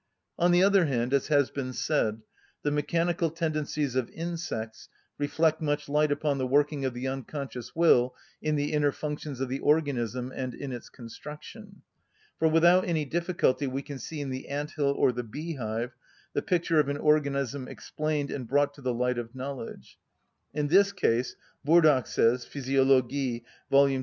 On the other hand, as has been said, the mechanical tendencies of insects reflect much light upon the working of the unconscious will in the inner functions of the organism and in its construction. For without any difficulty we can see in the ant‐hill or the beehive the picture of an organism explained and brought to the light of knowledge. In this sense Burdach says (Physiologie, vol. ii.